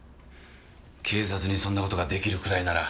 警察にそんな事が出来るくらいなら。